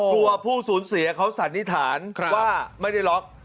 ผู้สูญเสียเขาสันนิษฐานว่าไม่ได้ล็อก